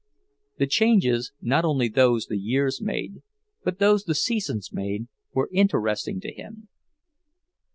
The changes, not only those the years made, but those the seasons made, were interesting to him.